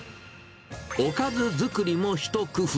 おかず作りも一工夫。